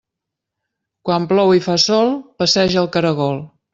Quan plou i fa sol, passeja el caragol.